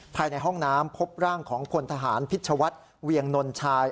ภายในห้องน้ำพบร่างของพลทหารพิชวัฒน์เวียงนนชาย